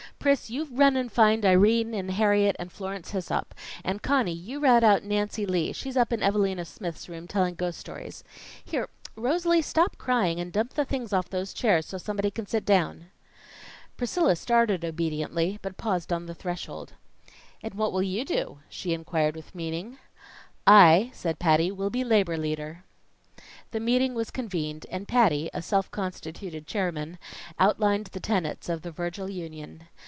"Pris, you run and find Irene and Harriet and Florence Hissop; and Conny, you route out Nancy Lee she's up in Evalina Smith's room telling ghost stories. Here, Rosalie, stop crying and dump the things off those chairs so somebody can sit down." Priscilla started obediently, but paused on the threshold. "And what will you do?" she inquired with meaning. "I," said Patty, "will be labor leader." The meeting was convened, and Patty, a self constituted chairman, outlined the tenets of the Virgil Union.